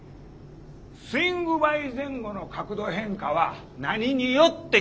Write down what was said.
スイングバイ前後の角度変化は何によって決まんのか。